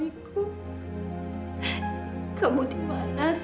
aku sudah menemukan bayi kita yang hilang mas